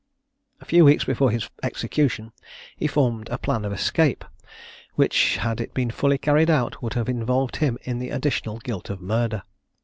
A few weeks before his execution he formed a plan of escape, which, had it been fully carried out, would have involved him in the additional guilt of murder.